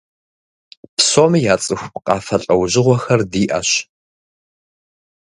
Псоми яцӀыху къафэ лӀэужьыгъуэхэр диӀэщ.